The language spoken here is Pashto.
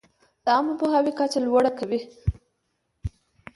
د عامه پوهاوي کچه لوړه کوي.